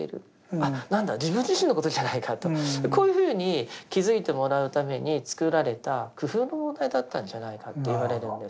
あっなんだ自分自身のことじゃないかとこういうふうに気付いてもらうために作られた工夫の問題だったんじゃないかといわれるんです。